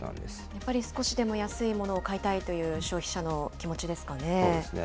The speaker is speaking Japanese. やっぱり少しでも安いものを買いたいという消費者の気持ちでそうですね。